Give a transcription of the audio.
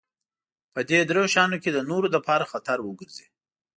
په دې درې شيانو کې د نورو لپاره خطر وګرځي.